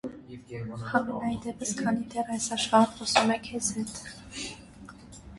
Համենայն դեպս, քանի դեռ այս աշխարհը խոսում է քեզ հետ։